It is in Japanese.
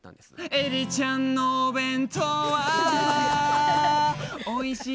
「エリちゃんのお弁当はおいしい」